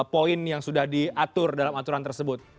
poin yang sudah diatur dalam aturan tersebut